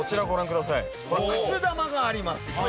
くす玉があります。